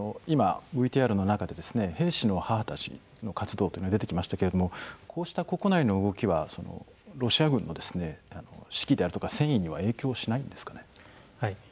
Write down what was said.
今ＶＴＲの中で兵士の母たちの活動というのが出てきましたけれどもこうした国内の動きはロシア軍の士気であるとか戦意には影響しないんですかね。